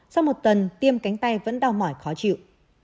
sau một tuần tiêm cánh tay vẫn đau mỏi khó chịu